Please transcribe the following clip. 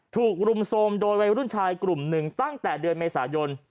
ถูกรุมโทรมโดยวัยรุ่นชายกลุ่มหนึ่งตั้งแต่เดือนเมษายน